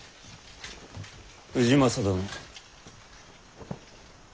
氏政殿。